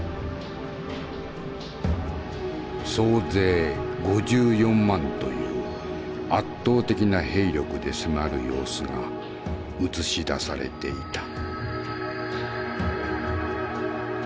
総勢５４万という圧倒的な兵力で迫る様子が映し出されていた。